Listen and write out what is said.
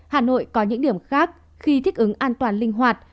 hà nội có những điểm khác khi thích ứng an toàn linh hoạt